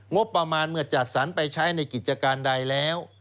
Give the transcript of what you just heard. งบประมาณเมื่อจัดสรรไปใช้ในกิจการใดแล้ว